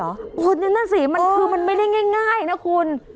โอ้โหนั่นน่ะสิมันคือมันไม่ได้ง่ายนะคุณ